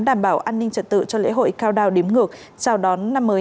đảm bảo an ninh trật tự cho lễ hội cao đao đếm ngược chào đón năm mới hai nghìn hai mươi ba